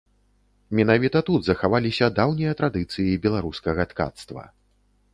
Менавіта тут захаваліся даўнія традыцыі беларускага ткацтва.